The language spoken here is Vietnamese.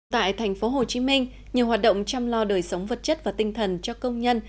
tại thành phố hồ chí minh nhiều hoạt động chăm lo đời sống vật chất và tinh thần cho công nhân